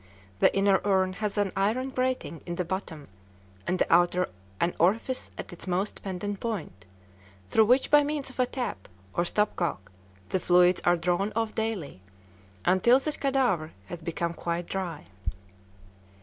The inner urn has an iron grating in the bottom, and the outer an orifice at its most pendent point, through which by means of a tap or stop cock, the fluids are drawn off daily, until the cadavre has become quite dry.